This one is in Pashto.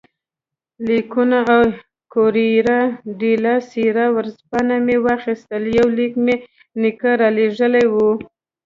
لیکونه او کوریره ډیلا سیرا ورځپاڼه مې واخیستل، یو لیک مې نیکه رالېږلی وو.